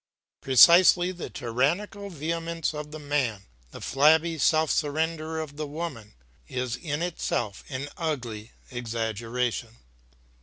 "Precisely the tyrannical vehemence of the man, the flabby self surrender of the woman, is in itself an ugly exaggeration."